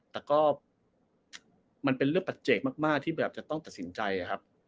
แต่ก็มันเป็นเรื่องปัจเจกมากที่แบบจะต้องตัดสินใจครับ